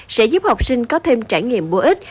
sẽ giúp học sinh có thêm trải nghiệm bổ ích